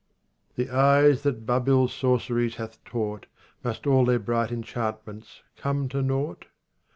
15 Those eyes that BabiPs * sorceries hath taught, Must all their bright enchantments come to nought